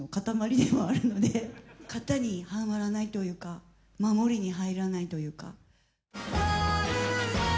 型にはまらないというか守りに入らないというか。